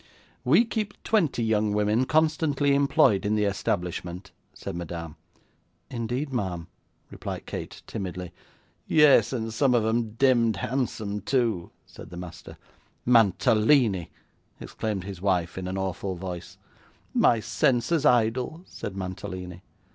'We keep twenty young women constantly employed in the establishment,' said Madame. 'Indeed, ma'am!' replied Kate, timidly. 'Yes; and some of 'em demd handsome, too,' said the master. 'Mantalini!' exclaimed his wife, in an awful voice. 'My senses' idol!' said Mantalini.